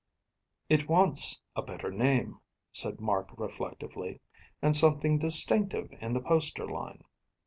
"It wants a better name," said Mark reflectively, "and something distinctive in the poster line.